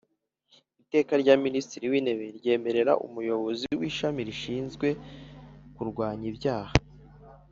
Iteka rya Minisitiri w Intebe ryemerera Umuyobozi w Ishami rishinzwe kurwanya ibyaha